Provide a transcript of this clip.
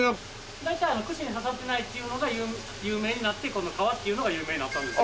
大体串に刺さってないっていうのが有名になってこの「かわ」っていうのが有名になったんですよ。